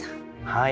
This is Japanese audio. はい。